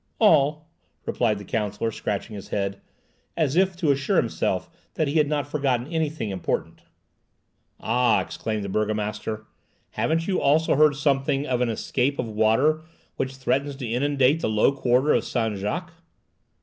"All," replied the counsellor, scratching his head, as if to assure himself that he had not forgotten anything important. "Ah!" exclaimed the burgomaster, "haven't you also heard something of an escape of water which threatens to inundate the low quarter of Saint Jacques?"